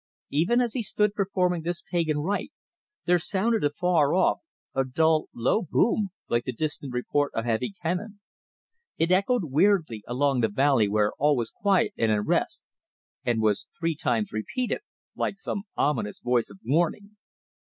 Even as he stood performing this pagan rite, there sounded afar off a dull, low boom like the distant report of heavy cannon. It echoed weirdly along the valley where all was quiet and at rest, and was three times repeated, like some ominous voice of warning.